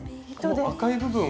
赤い部分。